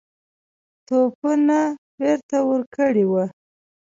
توپونه بیرته ورکړي وه.